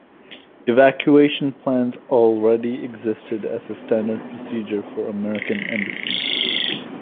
Evacuation plans already existed as a standard procedure for American embassies.